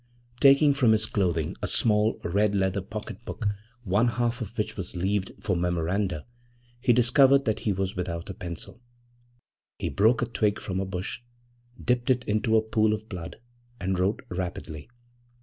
Taking from his clothing a small red leather pocket book one half of which was leaved for memoranda, he discovered that he was without a pencil. He broke a twig from a bush, dipped it into a pool of blood and wrote rapidly.